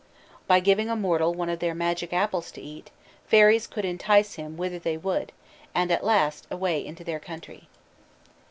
By giving a mortal one of their magic apples to eat, fairies could entice him whither they would, and at last away into their country.